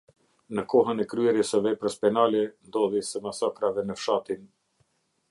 Në kohën e kryerjes së veprës penale ndodhjes së masakrave në fshatin.